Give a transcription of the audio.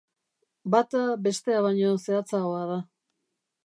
Bata bestea baino zehatzagoa da.